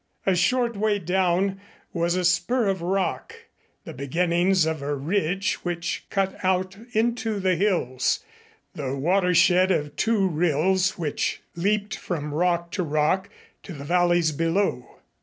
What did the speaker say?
A short way down was a spur of rock, the beginnings of a ridge which cut out into the hills, the watershed of two rills which leaped from rock to rock to the valleys below.